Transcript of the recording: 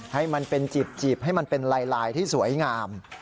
ให้มันเป็นจีบให้มันเป็นลายที่สวยงาม